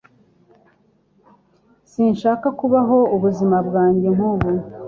Sinshaka kubaho ubuzima bwanjye nkubu